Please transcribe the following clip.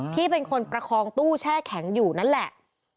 ที่เป็นคนประคองตู้แช่แข็งอยู่นั่นแหละ